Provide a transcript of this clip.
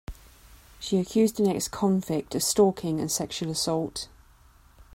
She accused an ex-convict of stalking and sexual assault.